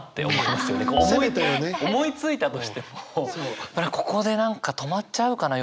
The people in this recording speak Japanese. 思いついたとしてもここで何か止まっちゃうかな？